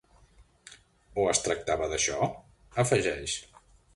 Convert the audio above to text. O es tractava d’això?, afegeix.